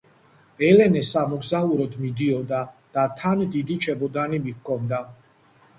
ელენე სამოგზაუროდ მიდიოდა და თან დიდი ჩემოდანი მიჰქონდა